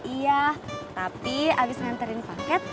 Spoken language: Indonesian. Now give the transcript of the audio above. iya tapi habis nganterin paket